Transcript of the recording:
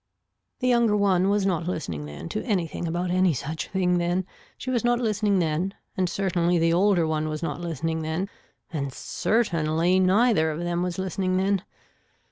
The younger one was not listening then to anything about any such thing then. She was not listening then and certainly the older one was not listening then and certainly neither of them was listening then.